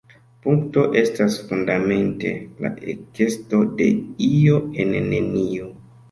Punkto estas fundamente la ekesto de “io” en “nenio”.